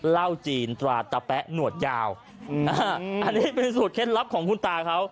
เหล้าจีนตราตะแป๊ะหนวดยาวอันนี้เป็นสูตรเคล็ดลับของคุณตาเขา